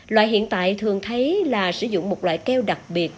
loại hiện tại thường thấy là sử dụng một loại keo đặc biệt